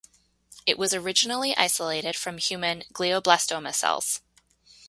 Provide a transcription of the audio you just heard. It was originally isolated from human glioblastoma cells.